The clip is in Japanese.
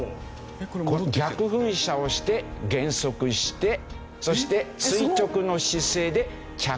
この逆噴射をして減速してそして垂直の姿勢で着陸をする。